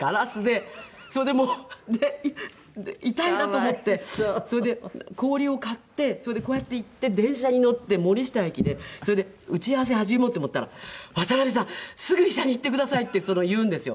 それでもう痛いなと思ってそれで氷を買ってそれでこうやって行って電車に乗って森下駅でそれで打ち合わせ始めようと思ったら「渡辺さんすぐ医者に行ってください！」って言うんですよ。